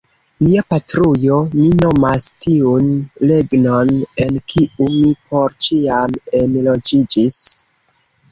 Mia patrujo mi nomas tiun regnon, en kiu mi por ĉiam enloĝiĝis.